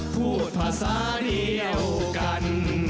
พูดภาษาเดียวกัน